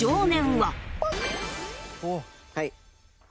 はい。